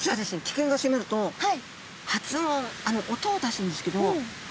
危険が迫ると発音音を出すんですけど。